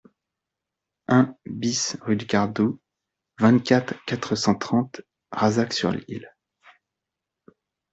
un BIS rue du Gardou, vingt-quatre, quatre cent trente, Razac-sur-l'Isle